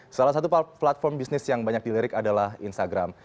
salah satu platform bisnis yang banyak dilirik adalah instagram